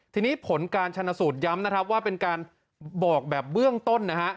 ทีนี้ผลการชนสูตรย้ำนะครับว่าเป็นการบอกแบบเบื้องต้นนะฮะ